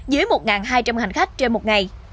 dưới một hai trăm linh hành khách trên một ngày